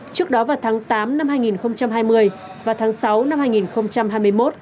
trước đó vào tháng tám năm hai nghìn hai mươi và tháng sáu năm hai nghìn hai mươi một